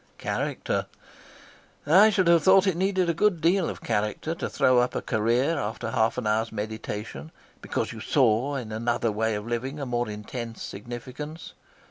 Character? I should have thought it needed a good deal of character to throw up a career after half an hour's meditation, because you saw in another way of living a more intense significance.